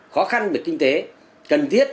khó khăn về kinh tế cần thiết